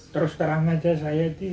terus terang aja saya sih